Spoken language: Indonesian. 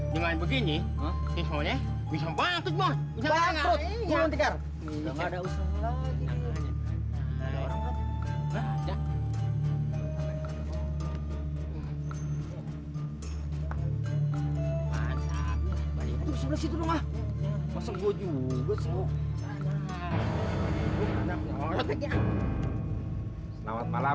dengan begini siswanya bisa bangkrut